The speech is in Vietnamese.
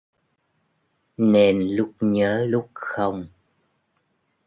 Nên lúc nhớ lúc không